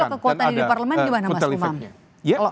kalau kekuatan di parlemen gimana mas umam